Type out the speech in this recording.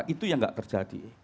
itu yang tidak terjadi